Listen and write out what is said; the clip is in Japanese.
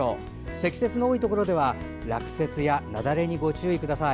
積雪の多いところでは落雪や雪崩にご注意ください。